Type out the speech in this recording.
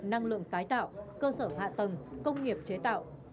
năng lượng tái tạo cơ sở hạ tầng công nghiệp chế tạo